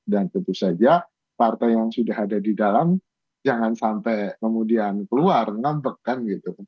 dan tentu saja partai yang sudah ada di dalam jangan sampai kemudian keluar ngebekkan gitu